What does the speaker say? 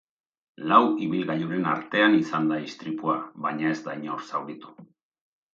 Lau ibilgailuren artean izan da istripua, baina ez da inor zauritu.